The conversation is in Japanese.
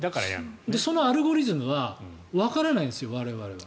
そのアルゴリズムはわからないんです、我々は。